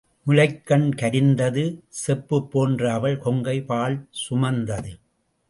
முலைக்கண் கரிந்தது செப்புப் போன்ற அவள் கொங்கை பால் சுமந்தது.